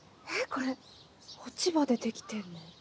これ落ち葉で出来てるの？